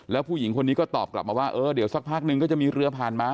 แล้วผู้หญิงคนนี้ก็ตอบกลับมาว่าเออเดี๋ยวสักพักนึงก็จะมีเรือผ่านมา